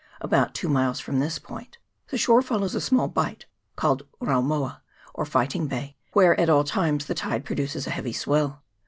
About two miles from this point the shore forms a small bight, called Raumoa, or Fighting Bay, where at all times the tide produces a heavy swell.